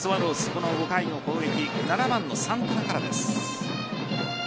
この５回の攻撃７番のサンタナからです。